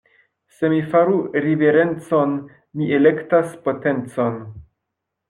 Se mi faru riverencon, mi elektas potencon.